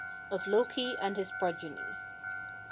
OF LOKI AND HIS PROGENY. 34.